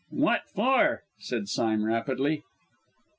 "What for?" said Sime rapidly.